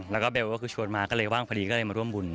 แล้วก็เบลก็คือชวนมาก็เลยว่างพอดีก็เลยมาร่วมบุญ